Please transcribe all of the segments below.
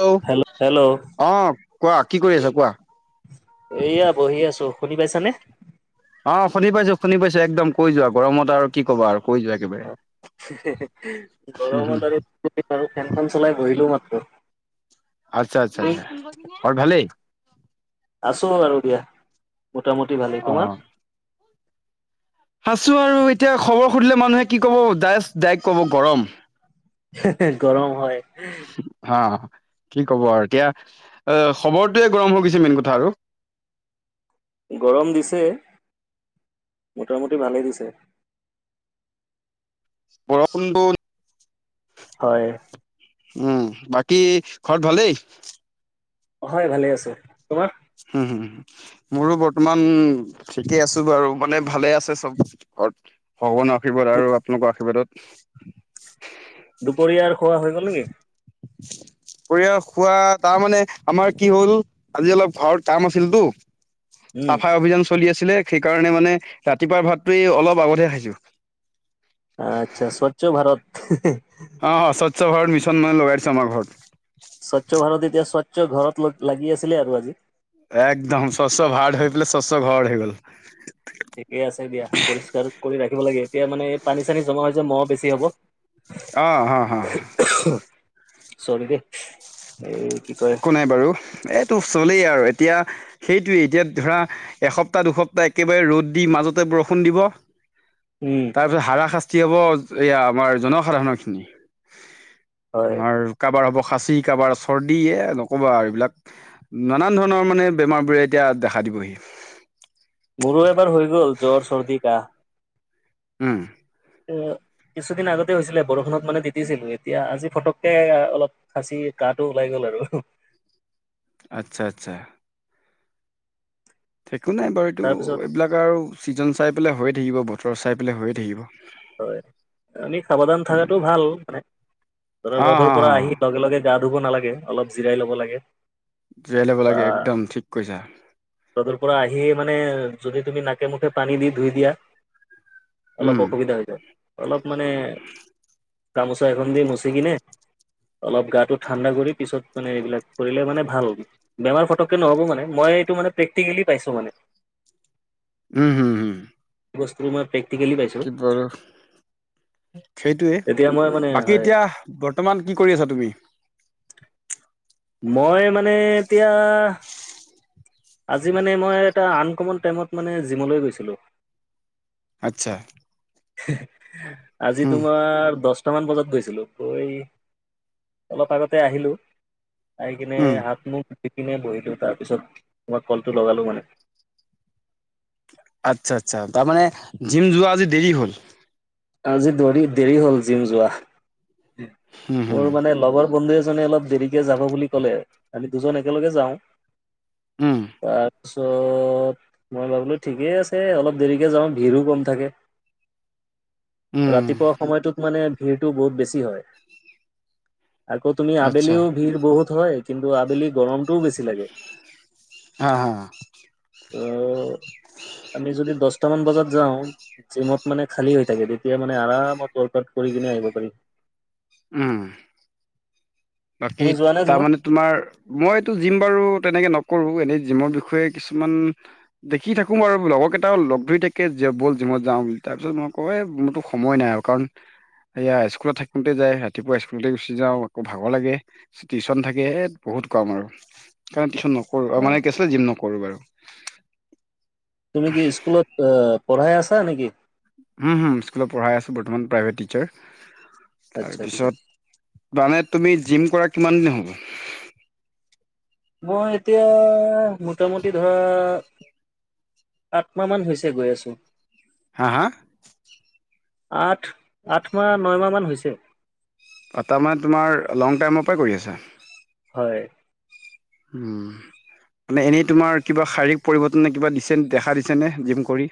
Hello, অ', কোৱা। কি কৰি আছা কোৱা? এইয়া বহি আছোঁ, শুনি পাইছানে? অ', শুনি পাইছো, শুনি পাইছো একদম কৈ যোৱা গৰমত আৰু কি ক'বা আৰু! কৈ যোৱা একেবাৰে। [unintelligible] গৰমত আৰু [unintelligible] ফেনখন চলাই বহিলোঁ মাত [inaudible] আচ্ছা, আচ্ছা, আচ্ছা [unintelligible] ঘৰত ভালেই? আছো আৰু দিয়া, মোটামুটি ভালেই। তোমাৰ? আছোঁ আৰু এতিয়া খবৰ সুধিলে মানুহে কি ক'ব! ডাইচ-ডাইৰেক্ত ক'ব গৰম! সেসে, গৰম হয়। হা। কি ক'ব আৰু এতিয়া! অ', খবৰটোয়ে গৰম হৈ গৈছে মেইন কথা আৰু। গৰম দিছে। মোটামুটি ভালেই দিছে। বৰষূণটো হয়। উম। বাকী ঘৰত ভালেই? হয়, ভালে আছে। তোমাৰ? হুম, হুম, হুম। মোৰো বৰ্তমান ঠিকে আছোঁ বাৰু মানে ভালেই আছে চব। ঘৰত। ভগৱানৰ আশীৰ্বাদ আৰু আপোনালোকৰ আশীৰ্বাদত। দুপৰীয়াৰ খোৱা হৈ গ'ল নেকি? [inaudible] দুপৰীয়া খোৱা তাৰমানে আমাৰ কি হ'ল, আজি অলপ ঘৰত কাম আছিলতো, উম চাফাই অভিযান চলি আছে। [unintelligible] সেইকাৰণে মানে ৰাতিপুৱাৰ ভাতটো এ অলপ আগতহে খাইছোঁ। আচ্ছা, স্বচ্ছ ভাৰত। হেহে। অ' অ', স্বচ্ছ ভাৰত মিছন মই লগাইছোঁ আমাৰ ঘৰত। স্বচ্ছ ভাৰত এতিয়া স্বচ্ছ ঘৰত লগ-লাগি আছিলে আৰু আজি। একদম, স্বচ্ছ ভাৰত হৈ পেলাই স্বচ্ছ ঘৰত হৈ গ'ল। ঠিকে আছে দিয়া, পৰিষ্কাৰ কৰি ৰাখিব লাগে। এতিয়া মানে পানী-চানী জমা হৈছে, মহ বেছি হ'ব। অ' অ' হা। চৰি দে। একো নাই বাৰু, এইটো চলেই আৰু। এতিয়া সেইটোৱে, এতিয়া ধৰা এসপ্তাহ-দুসপ্তাহ একেবাৰে ৰ'দ দি মাজতে বৰষুণ দিব, উম তাৰপিছত হাৰা শাস্তি হ'ব এয়া আমাৰ জনসাধাৰণৰখিনি। হয় আমাৰ কাবাৰ হ'ব খাচী, কাৰোবাৰ চৰ্দ ইয়ে নক'বা আৰু এইবিলাক, নানান ধৰণৰ মানে বেমাৰবোৰে এতিয়া দেখা দিবহি। মোৰো এবাৰ হৈ গ'ল জ্বৰ চৰ্দি কাহ উম। [inaudible] কিছুদিন আগতে হৈছিলে, বৰষুণত মানে তিতিছিলোঁ। এতিয়া আজি ফটককে এ-অলপ খাচী-কাঁহটো ওলাই গ'ল। বাৰু হু। আচ্ছা, আচ্ছা। একো নাই বাৰু। এইটো তাৰপিছত এইবিলাক আৰু ছিজন চাই পেলাই হৈয়ে থাকিব, বতৰ চাই পেলাই হৈয়ে থাকিব। হয়। আমি সাৱধান থাকাটো ভাল মানে। ধৰা অ', ৰ'দৰ অ', পৰা আহি অ', লগে লগে গা ধুব নালাগে অলপ জিৰাই ল'ব লাগে। জীয়াই ল'ব লাগে অহ একদম ঠিক কৈছা ৰ'দৰ পৰা আহিয়ে মানে যদি। তুমি নাকে মুখে পানী দি ধুই দিয়া অলপ উম, অসুবিধা হৈ যায় অলপ। মানে গামোচা এখন দি মুচি কিনে। অলপ গাটো ঠাণ্ডা কৰি পিছত মানে এইবিলাক কৰিলে মানে ভাল বেমাৰ ফটককে নহ'ব মানে মই। এইটো মানে প্ৰেক্টিকেলি পাইছোঁ মানে। উম হুম উম। বস্তু মই প্ৰেক্টিকেলি পাইছোঁ। সেইটোৱে বাকী হয় এতিয়া বৰ্তমান কি কৰি আছা তুমি। [inaudible] মই মানে এতিয়া। আজি মানে মই এটা আনকমন টাইমত মানে জিমলৈ গৈছিলোঁ। আচ্ছা। আজি হুম, তোমাৰ দহ টামান বজাত গৈছিলোঁ গৈ অলপ আগতে আহিলোঁ। আহি কিনে উম, হাত মুখ ধুই কিনে বহিলো তাৰ পিছত। তোমাক কোলটো লগালো মানে। আচ্ছা আচ্ছা তাৰমানে জিম যোৱা আজি দেৰি হ'ল। আজি দৰি দেৰি হ'ল জিম যোৱা উম, হুম, মোৰ মানে লগৰ। বন্ধু এজনে অলপ দেৰিকে যাব বুলি ক'লে আমি দুজন একেলগে যাওঁ। [unintelligible] উম, তাৰপিছত মই ভাবিলোঁ ঠিকেই আছে অলপ দেৰিকে যাওঁ ভিৰো কম থাকে। [inaudible] উম, ৰাতিপুৱা সময়টোত মানে ভিৰটো বহুত বেছি হয়৷ আকৌ তুমি আচ্ছা আবেলিও ভিৰ বহুত হয় কিন্তু আবেলি গৰম। টো বেছি লাগে৷ হা হা [unintelligible] আমি যদি দহটা মান বজাত যাওঁ, জিমত মানে খালী হৈ থাকে৷ তেতিয়া মানে আৰামত ৱৰ্কআউট কৰি কিনে আহিব পাৰিম৷ উম। বাকী তুমি যোৱা নে জিমত তাৰমানে তোমাৰ মইতো জিম বাৰু তেনেকে নকৰোঁ এনেই জিমৰ বিষয়ে কিছুমান, দেখি থাকো বাৰু লগৰকেইটাও লগ ধৰি থাকে বল জিমত যাওঁ বুলি৷ তাৰপিছত মই কওঁ এ মোৰতো সময় নাই আৰু কাৰণ। সেয়া স্কুলত থাকোঁতে যায়, ৰাতিপুৱা স্কুলতে গুচি যাওঁ আক ভাগৰ লাগে, টিউচন থাকে বহুত কাম আৰু সেইকাৰণ টিউচন নকৰোঁ অ আৰু মানে কি আছিল জিম নকৰোঁ। কৰোঁ বাৰু। তুমি কি স্কুলত পঢ়াই আছা নেকি? উম হুম স্কুলত পঢ়াই আছোঁ, বৰ্তমান প্ৰাইভেট টিচাৰ। আচ্ছা আচ্ছা তাৰপিছত মানে তুমি জিম কৰা কিমান দিন হ'ল? মই এতিয়া মোটামুটি ধৰ। আঠ মাহমান হৈছে গৈ আছোঁ। হা, হা। আঠ, আঠ মাহ, নয় মাহমান হৈছে৷ তাৰমানে তোমাৰ লং টাইমৰ পৰাই কৰি আছা। হয়৷ হুম। মানে এনেই তোমাৰ কিবা শাৰীৰিক পৰিৱৰ্তন নে কিবা দিছে দেখা দিছে নে জিম কৰি।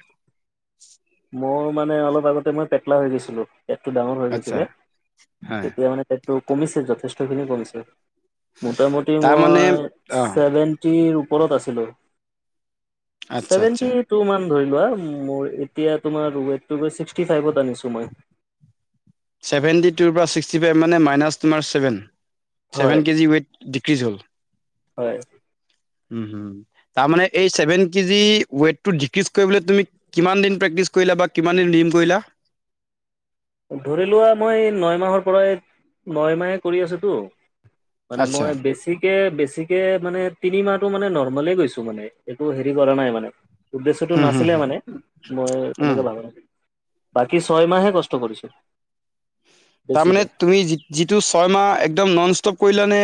মোৰ মানে অলপ আগতে মই পেটলা হৈ গৈছিলোঁ৷ পেটতো ডাঙৰ হৈ আচ্ছা গৈছিলে হা এতিয়া মানে পেটতো কমিছে যথেষ্টখিনি কমিছে৷ মোটামুটি তাৰমানে মই অ ছেভেন্টিৰ ওপৰত আছিলোঁ৷ আচ্ছা ছেভেন্টি আচ্ছা টু মান ধৰি লোৱা, মোৰ এতিয়া তোমাৰ ৱেইটতো যে ছিক্সটি ফাইভত আনিছোঁ মই৷ ছেভেন্টি টুৰপৰা ছিক্সটি ফাইভ মানে মাইনাছ তোমাৰ ছেভেন। হয় ছেভেন কেজি ৱেইট ডিক্ৰিজ হ'ল৷ হয়৷ হুম, হুম৷ তাৰমানে এই ছেভেন কেজি ৱেইটতো ডিক্ৰিজ কৰিবলৈ তুমি কিমান দিন প্ৰেক্টি টিছ কৰিলা বা কিমান দিন জিম কৰিলা? ধৰিলোৱা মই নয় মাহৰপৰাই, নয় মাহে কৰি আছোঁতো৷ মানে আচ্ছা মই বেছিকে বেছি ছিকে মানে তিনিমাহটো মানে নৰ্মলে গৈছো মানে, একো হেৰি কৰা নাই মানে উদ্দেশ্যটো হুম হুম নাছিলে হুম মানে, মই উম এনেকা ভাবোঁ৷ বাকী ছয় মাহে কষ্ট কৰিছোঁ৷ তাৰ মানে তুমি যিটো ছয়মাহ একদম নন ষ্টপ কৰিলা নে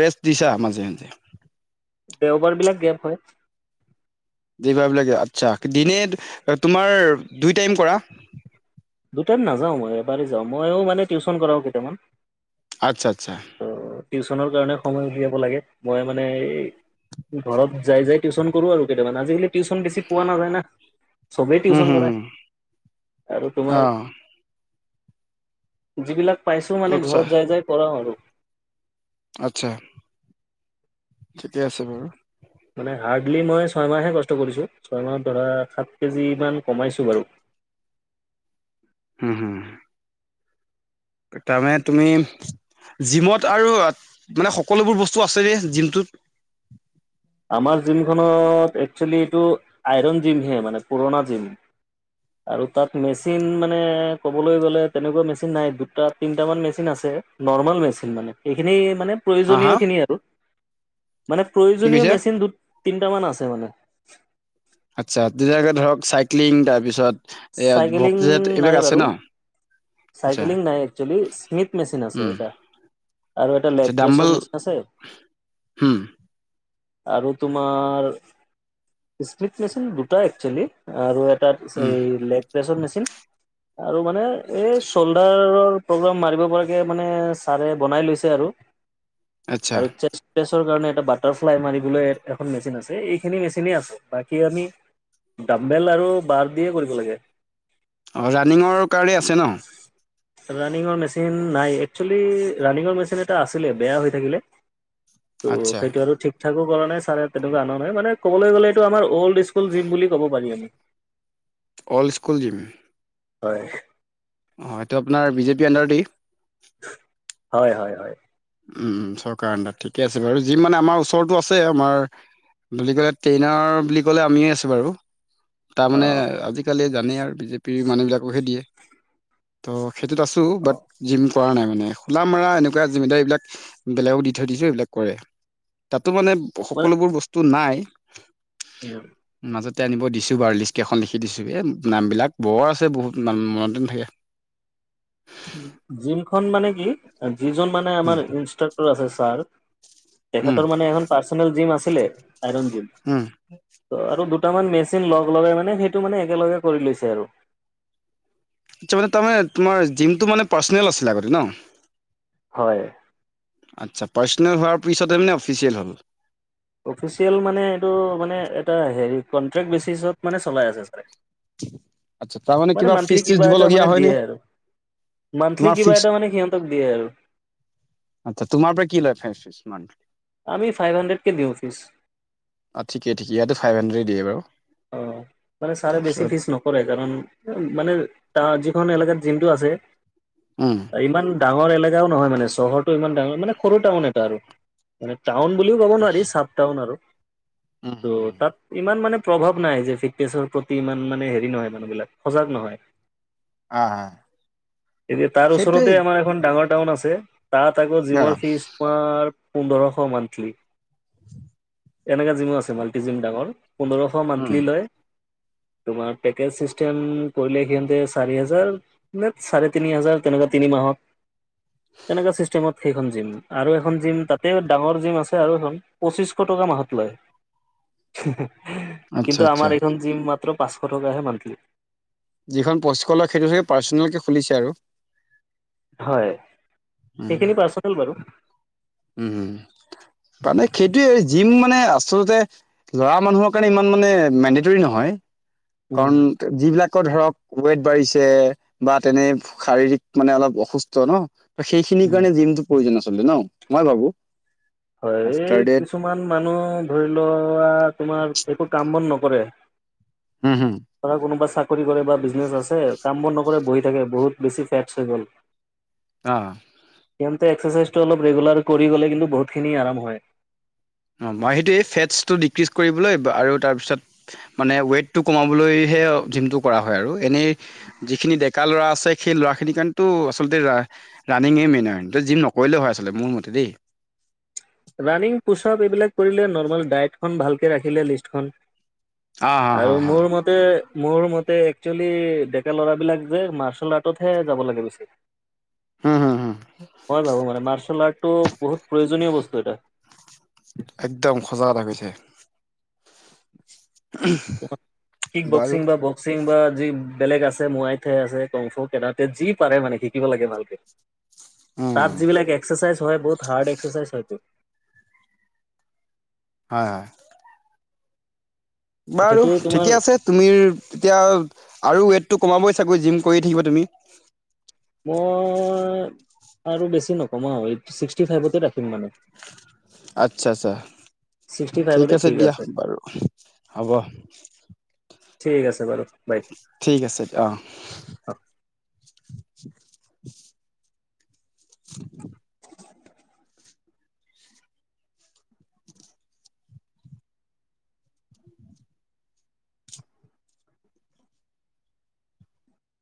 ৰেষ্ট দিছা মাজে মাজে? দেওবাৰবিলাক গেপ হয়৷ দেওবাৰবিলাকে, আচ্ছা। দিনে তোমাৰ দুই টাইম কৰা? দুইটাইম নাযাওঁ মই এবাৰেই যাওঁ৷ মই মানে টিউচন কৰাওঁ কেইটামান৷ আচ্ছা আচ্ছা। অ' টিউচনৰ কাৰণে সময় উলিয়াব লাগে৷ মই মানে এই ঘৰত যাই যাই টিউচন কৰোঁ আৰু কেইটামান৷ আজিকালি টিউচন বেছি পোৱা নাযায় না৷ চবেই হুম, টিউচন হুম, কৰে হুম, আৰু তোমাৰ অ', যিবিলাক পাইছোঁ মানে ঘৰত যাই যাই কৰাওঁ আৰু৷ আতছা ঠিকে আছে বাৰু। মানে হাৰ্ডলি মই ছয়মাহে কষ্ট কৰিছোঁ, ছয়মাহত ধৰা সাত কেজিমান কমাইছোঁ বাৰু। হু, হু। তাৰমানে তুমি জিমত আৰু মানে সকলোবোৰ বস্তু আছে যেই জিমটোত। আমাৰ জিমখনত একচুৱেলি এইটো আইৰণ জিমহে মানে পুৰণা জিম। আৰু তাত মেচিন মানে ক'বলৈ গ'লে তেনেকুৱা মেচিন নাই, দুটা তিনটমান মেচিন আছে। নৰ্মেল মেচিন মানে। এইখিনি মানে হা, হা প্ৰয়োজনীয়খিনি আৰু। মানে কি প্ৰয়োজনীয় কৈছা? মেচ তিনটামান আছে মানে। আচ্ছা, তেনেকে ধৰক চাইক্লিং তাৰপিছত এই চাইকেলিং ভক্তিজাত নাই এইবিলাক আছে বাৰু ন'? আচ্ছা চাইকেলিং নাই একচুৱেলি, স্মিথ মেচিন আছে উম, এটা। আৰু এটা লেগ প্ৰেছৰ মেচিন আছে। হুম। আৰু তোমাৰ স্পিট মেচিন দুটা একচেলি আৰু তাত উম, এই লেগ প্ৰেছৰ মেচিন আৰু মানে এই চ'ল্ডাৰৰ প্ৰগ্ৰাম মাৰিব পৰাকে মানে ছাৰে বনাই লৈছে আৰু। আচ্ছা আৰুে কৰিব কাৰণে এটা বাটাৰফ্লাই মাৰিবলৈ এখন মেচিন আছে, এইখিনি মেচিনে আছে বাকী আমি ডাম্বেল আৰু বাৰ দিয়ে কৰিব লাগে। অ' ৰাণিঙৰ কাৰণে আছে ন'? ৰানিঙৰ মেচিন নাই একচেলি, ৰানিঙৰ মেচিন এটা আছিলে বেয়া হৈ থাকিলে। ত' আচ্ছা সেইটো আৰু ঠিক ঠাকু কৰা নাই ছাৰে তেনেকুৱা আনা নাই, মানে ক'বলৈ গ'লে এইটো আমাৰ অল্ড স্কুল জিম বুলি ক'ব পাৰি আমি। Old school gym. হয়। অ' এইটো আপোনাৰ বিজেপি অন্দাৰতি? হয় হয় হয়। উম, উম, চৰকাৰো অন্দাৰত, ঠিকে আছে বাৰু জিম মানে আমাৰ ওচৰতো আছে আমাৰ বুলি ক'লে, ট্ৰেইনাৰ বুলি ক'লে আমিয়ে আছোঁ বাৰু। তাৰমানে অঁ আজিকালি জানেই আৰু বিজেপিৰ মানুহবিলাকহে দিয়ে ত'। সেইটোত আছোঁ বাট অঁ জিম কৰা নাই মানে, খোলা মৰা এনেকুৱা জিমেইদাবিলাক বেলেগক দি থৈ দিছোঁ এইবেলোক কৰে, তাতো মানে সকলোবোৰ বস্তু নাই। [unintelligible] উম। মাজতে আনিব দিছোঁ বাৰু লিষ্টকেইখন লিখি দিছোঁ, এই নামবিলাক বৰ আছে বহুত মনতে নাথাকে। [inaudible] জিমখন মানে কি, যিজন মানে উম আমাৰ ইনষ্ট্ৰাক্টৰ আছে ছাৰ। উম তেখৰ মানে এখন পাৰ্চনেল জিম আছিলে আইন জিম। উম ত' আৰু দু দুটামান মেচিন লগ লগাই মানে সেইটো মানে একেলগে কৰি লৈছে আৰু। আচ্ছা মানে তাৰমানে তোমাৰ জিমটো মানে পাৰ্চনেল আছিলে আগতে ন। হয়। আচ্ছা। পাৰ্চনেল হোৱাৰ পিছত মানে অফিচিয়েল হ'ল। অফিচিয়েল মানে এইটো মানে এটা হেৰি কন্ট্ৰেক্ট বেচিচত মানে চলাই আছে ছাৰে। আচ্ছা। তাৰমানে মানে কিবা মান্থলি ফিজ-চিজ দিব এটা লগীয়া মানে দিয়ে হয়নে? আৰু মান্থলি তোমাৰ কিবা ফিক্স এটা মানে সিহঁতক দিয়ে আৰু। আচ্ছা তোমাৰ পৰা কি লয় ফিজ মান আমি ফাইভ হাণ্ডেডকে দিওঁ ফিছ। অহ, ঠিকে ঠিক। ইয়টো ফাইভ হাণ্ডেডেয়ে দিয়ে বাৰু। অহ, মানে ছাৰে বেছি তাৰপিছত ফিজ নকৰে কাৰণ মানে তা যিখন এলোকাত জিমটো আছে উম। ইমান ডাঙৰ এলেকা এলেকাও নহয় মানে চহৰৰতটো ইমান ডাঙৰ মানে, সৰু টাউন এটা আৰু মানে। ডাউন বুলিওঁ ক'ব নোৱাৰি চাপ ডাউন আৰু কিন্তু তাত ইমান মানে প্ৰভাৱ নাই যে ফিটনেছৰ প্ৰতি ইমান মানে হেৰি নহয় মানুহবিলাক সজাগ নহয়। আহ এতিয়া তাৰ সেইটোৱে ওচৰতে আমাৰ এখন ডাঙৰ টাউন আছে। তাত আকৌ অ জিমৰ ফীজ তোমাৰ পোন্ধৰশ মান্থলি। এনেকুৱা জিমো আছে মাল্টি জিম ডাঙৰ পোন্ধৰশ উম মান্থলি লয়। তোমাৰ পেকেজ চিষ্টেম কৰিলে সিহঁতে চাৰি হেজাৰ নে চাৰে তিনি হাজাৰ তেনেকুৱা তিনি মাহত, তেনেকুৱা চিষ্টেমত সেইখন জিম। আৰু এখন জিম তাতে ডাঙৰ জিম আছে আৰু এখন পঁচিশ টকা মাহত লয়। [unintelligible] আচ্ছা কিন্তু আচ্ছা আমাৰ এইখন জিম মাত্ৰ পাঁচশ টকাহে মান্থলি। যিখন পঁচিশ লয় সেইটো চাগে পাৰ্চনেলকে খুলিছে আৰু। হয়। উম সেইখিনি পাৰ্ছনেল বাৰু। উম', হয়, মানে সেইটোয়ে জিম মানে আচলতে ল'ৰা মানুহৰ কাৰণে ইমান মানে মেণ্ডেটৰী নহয়। কাৰণ উম যিবিলাক ধৰক ৱেট বাঢ়িছে বা তেনে শাৰীৰিক মানে অলপ অসুস্থ ন। সেইখিনিৰ উম কাৰণে জিমটো প্ৰয়োজন আচলতে ন' মই ভাবোঁ। হয়। এই কিছুমান মানুহ ধৰিলোৱা তোমাৰ একো কাম বন নকৰে। নকৰে। হম হম ধৰা কোনোবা চাকৰি কৰে বা বিজনেছ আছে। কাম বন নকৰে বহি থাকে বহুত বেছি ফেটছ হৈ গ'ল। অহ। সিহঁতে এক্সাৰচাইজটো অলপ ৰেগুলাৰ কৰি গ'লে কিন্তু বহুতখিনি আৰাম হয়। মই সেইটো এই ফেটচটো ডিক্ৰিজ কৰিবলৈ আৰু তাৰপিছত মানে ৱেইটটো কমাবলৈ জিমটো কৰা হয় আৰু এনেই যিখিনি ডেকা ল'ৰা আছে সেই ল'ৰাখিনিৰ কাৰণেতো আচলতে ৰানিং এই মেইন আৰু ত' জিম নকৰিলেওঁ হয় আচলতে মোৰ মতে। দেই। ৰানিং পুচপ এইবিলাক কৰিলে, নৰ্মেলি ডায়েইটখন ভালকে ৰাখিলে লিষ্টখন। হা হা আৰু হা হা মোৰ মতে মোৰ মতে একচুৱেলি ডেকা ল'ৰাবিলাক যে মাৰ্চেল আৰ্টতহে যাব লাগে বেছি। উম হুম হুম মই ভাবো মানে মাৰ্চেল আৰ্টটো বহুত প্ৰয়োজনীয় বস্তু। [unintelligible] একদম সঁচা কথা কৈছে। কিক বাৰু বকসিং বা বকসিং বা যি বেলেগ আছে মোৱাই ঠাই আছে কংফু কেডাৰতেত যি পাৰে মানে শিকিব লাগে ভালকে। উম। তাত যিবিলাক এক্সাৰচাইজ বহুত হাৰ্ড এক্সাৰচাইজ হয়। হয়, হয়। বাৰু সেইটো তোমাৰ ঠিকে আছে তুমি এতিয়া, আৰু ৱেটটো কমাবই চাগৈ, জিম কৰি থাকিব তুমি। মই আৰু বেছি নকমাও, আৰু এই ছিক্সটি ফাইভতে ৰাখিম মানে। আচ্ছা, আচ্ছা। ঠিক আছে দিয়া বাৰু, হ'ব। ঠিক আছে বাৰু বাই ঠিক আছে, অ, [unintelligible] [unintelligible]